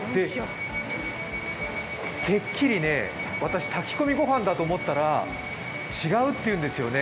てっきり私、炊き込みご飯だと思ったら違うっていうんですね。